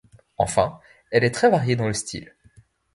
Enfin, elle est très variée dans le style.